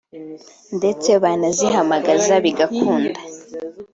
ndetse banazihamagaza bigakunda